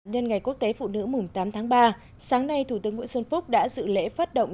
nhân ngày quốc tế phụ nữ mùng tám tháng ba sáng nay thủ tướng nguyễn xuân phúc đã dự lễ phát động